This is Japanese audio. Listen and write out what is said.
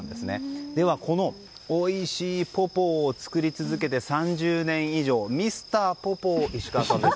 このおいしいポポーを作り続けて３０年以上ミスターポポー石川さんです。